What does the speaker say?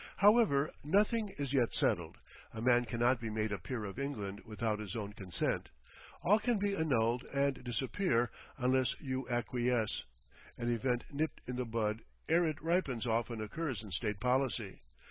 "However, nothing is yet settled. A man cannot be made a peer of England without his own consent. All can be annulled and disappear, unless you acquiesce. An event nipped in the bud ere it ripens often occurs in state policy.